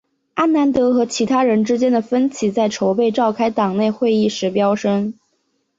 阿南德和其他人之间的分歧在筹备召开党内会议时飙升。